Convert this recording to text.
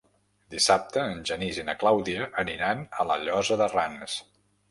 Dissabte en Genís i na Clàudia aniran a la Llosa de Ranes.